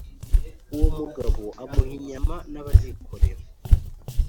Uwo mugabo amuha inyama n'abazikorera